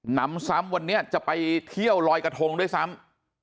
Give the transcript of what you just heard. นำซ้ำวันนี้จะไปเที่ยวลอยกระทงด้วยซ้ำ